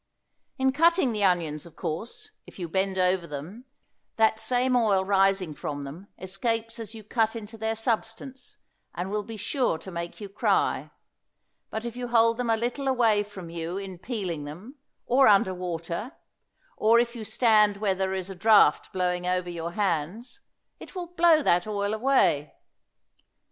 In cutting the onions, of course, if you bend over them, that same oil rising from them escapes as you cut into their substance, and will be sure to make you cry; but if you hold them a little away from you in peeling them, or under water, or if you stand where there is a draught blowing over your hands, it will blow that oil away.